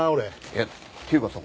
いやっていうかさ